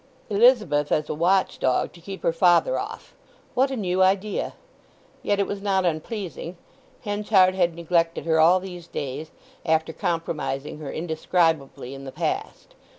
Elizabeth as a watch dog to keep her father off—what a new idea. Yet it was not unpleasing. Henchard had neglected her all these days, after compromising her indescribably in the past.